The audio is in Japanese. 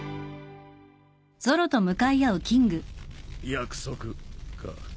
約束か。